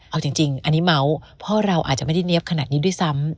เอาจริงอันนี้เมาส์พ่อเราอาจจะไม่ได้เนี๊ยบขนาดนี้ด้วยซ้ำ